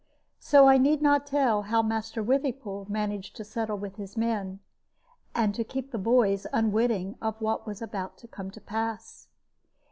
So I need not tell how Master Withypool managed to settle with his men, and to keep the boys unwitting of what was about to come to pass.